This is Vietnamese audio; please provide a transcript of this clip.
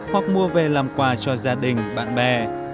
hoặc mua về làm quà cho gia đình bạn bè